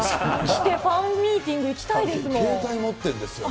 着てファンミーティング行きたいですよ。